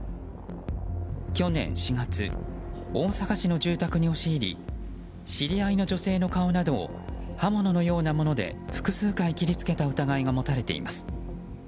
去年４月大阪市の住宅に押し入り知り合いの女性の顔などを刃物のようなもので複数回切りつけた疑いが持たれています。